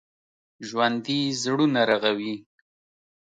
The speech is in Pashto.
ژوندي زړونه رغوي